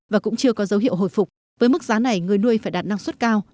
và cũng chưa có dấu hiệu hồi phục với mức giá này người nuôi phải đạt năng suất cao